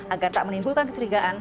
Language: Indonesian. agar tak menimbulkan kecerigaan